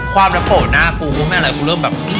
ความลับโปะหน้ากูก็ไม่เอาเลยกูเริ่มแบบ